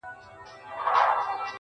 د راډیو په تالار کي -